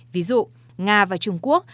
ví dụ nga và trung quốc